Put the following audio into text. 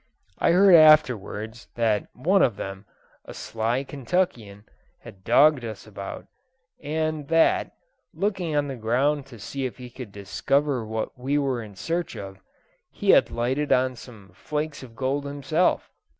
I heard afterwards, that one of them, a sly Kentuckian, had dogged us about, and that, looking on the ground to see if he could discover what we were in search of, he had lighted on some flakes of gold himself.